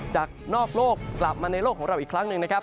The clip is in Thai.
จากนอกโลกกลับมาในโลกของเราอีกครั้งหนึ่งนะครับ